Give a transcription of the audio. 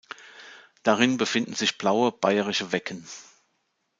Darin befinden sich blaue bayerische Wecken.